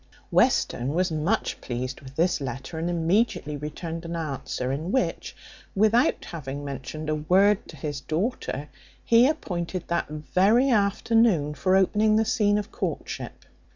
Western was much pleased with this letter, and immediately returned an answer; in which, without having mentioned a word to his daughter, he appointed that very afternoon for opening the scene of courtship.